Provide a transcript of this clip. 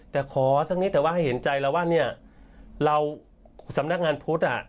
แต่ขอสักนิดแต่ว่าให้เห็นใจแล้วว่าเนี่ยเราสำนักงานพุทธอ่ะ